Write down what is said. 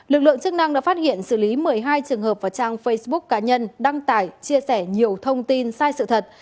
lực lượng chức năng đã phát hiện xử lý một mươi hai trường hợp vào trang facebook cá nhân đăng tải chia sẻ nhiều thông tin sai sự thật